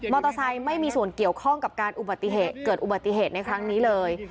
มอเตอร์ไซค์ไม่มีส่วนเกี่ยวข้องกับการเกิดอุบัติเหตุในครั้งนี้เลย